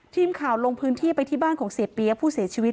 ทีมข่าวลงพื้นที่ไปที่บ้านของเสียเปี๊ยกผู้เสียชีวิต